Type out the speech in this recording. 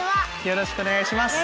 よろしくお願いします。